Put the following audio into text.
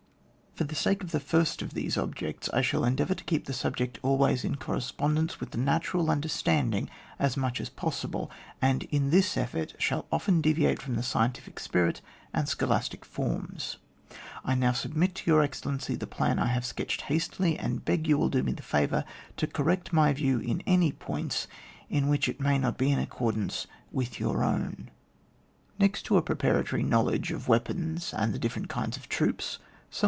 For the sake of the first of these ob jects, I shall endeavour to keep the sub ject always in correspondence with the natural understanding as much as pos sible, and in this effort shall often deviate from the scientific spirit and scholastic forms. I now submit to Tour Excellency the plan I have sketched hastily, and beg you will do me the favour to correct my view in any points in which it may not be in accordance with your own.